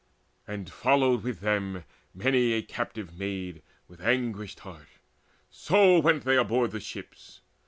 And followed with them many a captive maid With anguished heart: so went they aboard the ships.